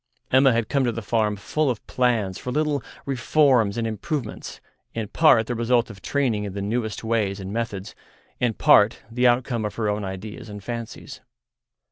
Emma had come to the farm full of plans for little reforms and improvements, in part the result of training in the newest ways and methods, in part the outcome of her own ideas and fancies.